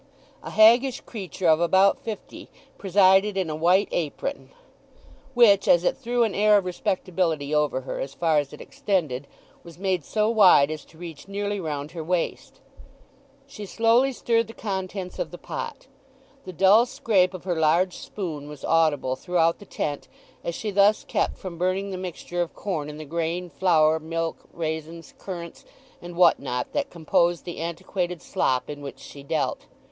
A haggish creature of about fifty presided, in a white apron, which as it threw an air of respectability over her as far as it extended, was made so wide as to reach nearly round her waist. She slowly stirred the contents of the pot. The dull scrape of her large spoon was audible throughout the tent as she thus kept from burning the mixture of corn in the grain, flour, milk, raisins, currants, and what not, that composed the antiquated slop in which she dealt.